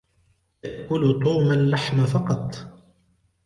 يأكل توم اللحم فقط.